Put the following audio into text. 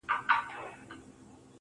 • ستـا د سونډو رنگ.